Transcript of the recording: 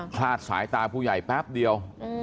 ลาดสายตาผู้ใหญ่แป๊บเดียว